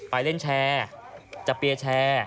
ไปเล่นแชร์จะเปียร์แชร์